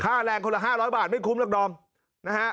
ค่าแรงคนละห้าร้อยบาทไม่คุ้มหรอกดอมนะฮะ